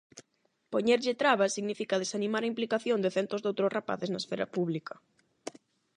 Poñerlle trabas significa desanimar a implicación de centos doutros rapaces na esfera pública.